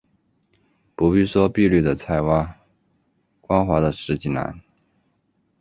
不必说碧绿的菜畦，光滑的石井栏